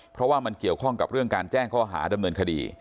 เพราะว่ามันเกี่ยวข้องกับเรื่องการแจ้งข้อหาดำเนินคดี